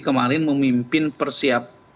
kemarin memimpin persiap